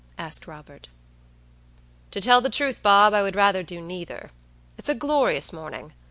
asked Robert. "To tell the truth, Bob, I would rather do neither. It's a glorious morning.